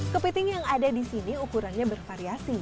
kepiting yang ada di sini ukurannya bervariasi